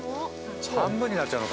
半分になっちゃうの？